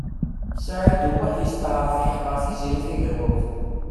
Saɛid U Muḥ yesṭeɛref iḥeqqeṛ Tiziri Tagawawt.